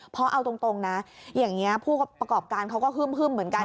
เพราะเอาตรงนะอย่างนี้ผู้ประกอบการเขาก็ฮึ่มเหมือนกัน